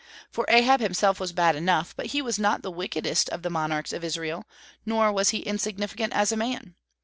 For Ahab himself was bad enough, but he was not the wickedest of the monarchs of Israel, nor was he insignificant as a man.